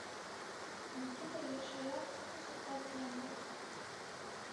Микипыр Яшаят кум сутка киен лекте.